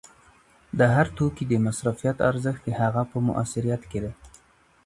د هر توکي د مصرف ارزښت د هغه په موثریت کې دی